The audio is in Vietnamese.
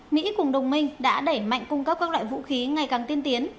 mỹ cùng đồng minh đã đẩy mạnh cung cấp các loại vũ khí ngày càng tiên tiến